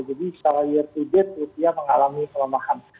jadi setelah year to date rupiah mengalami kelemahan